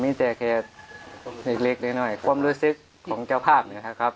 มีแต่แค่เล็กน้อยความรู้สึกของเจ้าภาพนะครับ